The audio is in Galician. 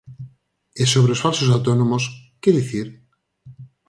E sobre os falsos autónomos, ¿que dicir?